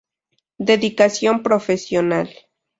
Dedicación profesional.